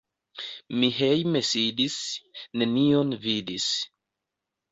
Mi hejme sidis, nenion vidis.